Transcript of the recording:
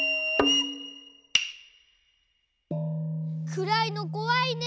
くらいのこわいね。